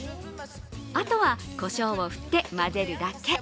あとは、こしょうを振ってまぜるだけ。